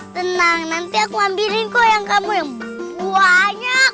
tenang nanti aku ambilin kok yang kamu yang banyak